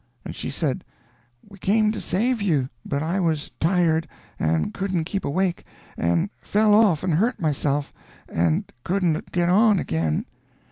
and she said, 'We came to save you, but I was tired, and couldn't keep awake, and fell off and hurt myself, and couldn't get on again.